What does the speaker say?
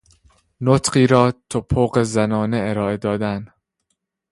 نطقی را تپق زنان ارائه دادن